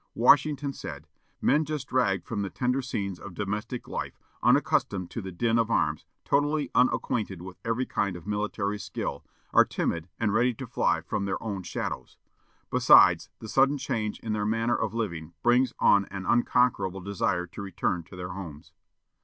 Washington said, "Men just dragged from the tender scenes of domestic life, unaccustomed to the din of arms, totally unacquainted with every kind of military skill, are timid, and ready to fly from their own shadows. Besides, the sudden change in their manner of living brings on an unconquerable desire to return to their homes."